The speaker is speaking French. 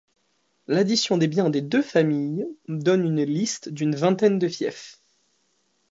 L’addition des biens des deux familles donne une liste d'une vingtaine de fiefs.